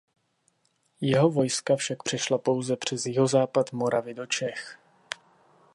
Jeho vojska však přešla pouze přes jihozápad Moravy do Čech.